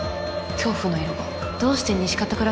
「恐怖」の色がどうして西片倉